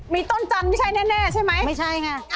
มีต้นจันทร์ไม่ใช่แน่ใช่ไหมไม่ใช่ไง